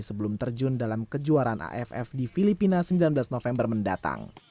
sebelum terjun dalam kejuaraan aff di filipina sembilan belas november mendatang